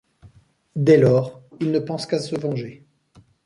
Dès lors, il ne pense qu'à se venger.